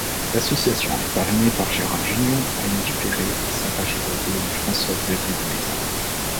L'association est parrainée par Gérard Jugnot, Anny Duperey, Sara Giraudeau, et François-Xavier Demaison.